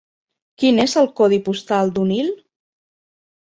Quin és el codi postal d'Onil?